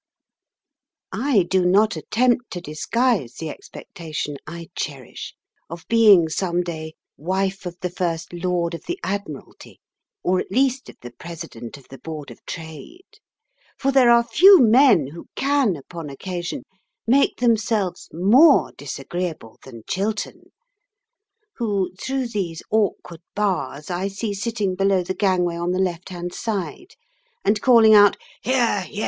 I do not attempt to disguise the expectation I cherish of being some day wife of the First Lord of the Admiralty, or at least of the President of the Board of Trade; for there are few men who can, upon occasion, make themselves more disagreeable than Chiltern, who through these awkward bars I see sitting below the gangway on the left hand side, and calling out "Hear, hear!"